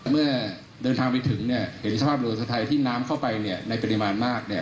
เมื่อเดินทางไปถึงเนี่ยเห็นสภาพเรือสุดท้ายที่น้ำเข้าไปเนี่ยในปริมาณมากเนี่ย